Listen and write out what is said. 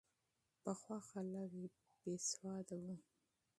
پخوا خلک بې سواده وو.